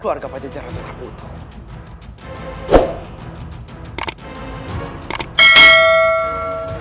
keluarga pajajaran tetap utuh